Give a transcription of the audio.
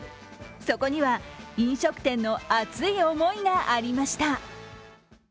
そこには飲食店の熱い思いがありました。